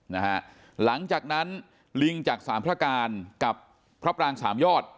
หลังจากนั้นลิงจากสามพระการกับพระปรางสามยอด